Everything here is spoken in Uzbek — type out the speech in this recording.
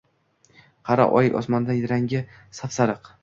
Qara, oy osmonda, rangi sap-sariq!